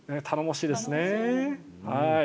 頼もしいですね。